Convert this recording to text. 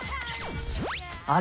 「あれ？